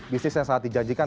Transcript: bisnis yang sangat dijanjikan